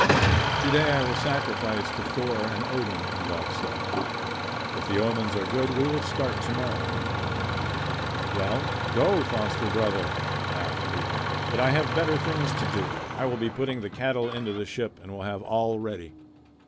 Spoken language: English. "To day I will sacrifice to Thor and Odin," Ingolf said. "If the omens are good we will start to morrow." "Well, go, foster brother," laughed Leif. "But I have better things to do. I will be putting the cattle into the ship and will have all ready."